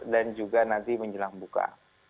dan juga nanti menjelang buka